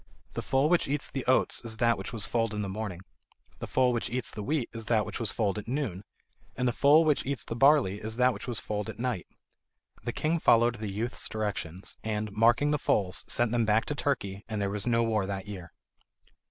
The foal which eats the oats is that which was foaled in the morning; the foal which eats the wheat is that which was foaled at noon; and the foal which eats the barley is that which was foaled at night." The king followed the youth's directions, and, marking the foals, sent them back to Turkey, and there was no war that year.